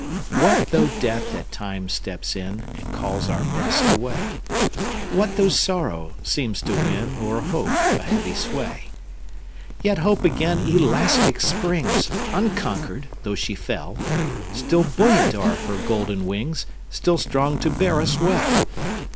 What though Death at times steps in, And calls our Best away? What though sorrow seems to win, O'er hope, a heavy sway? Yet Hope again elastic springs, Unconquered, though she fell; Still buoyant are her golden wings, Still strong to bear us well.